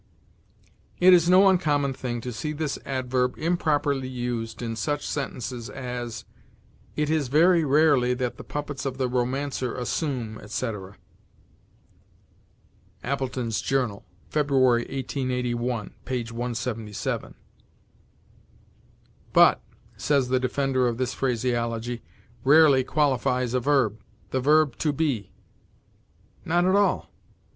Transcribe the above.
It is no uncommon thing to see this adverb improperly used in such sentences as, "It is very rarely that the puppets of the romancer assume," etc. "Appletons' Journal," February, 1881, p. 177. "But," says the defender of this phraseology, "rarely qualifies a verb the verb to be." Not at all.